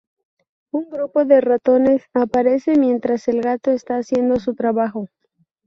Un grupo de ratones aparece mientras el gato está haciendo su trabajo.